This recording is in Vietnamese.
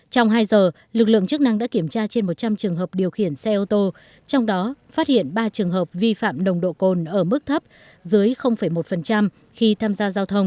trong hai giờ lực lượng chức năng đã kiểm tra trên một trăm linh trường hợp điều khiển xe ô tô trong đó phát hiện ba trường hợp vi phạm nồng độ cồn ở mức thấp dưới một khi tham gia giao thông